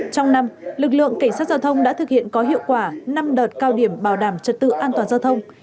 trong năm lực lượng cảnh sát giao thông đã thực hiện có hiệu quả năm đợt cao điểm bảo đảm trật tự an toàn giao thông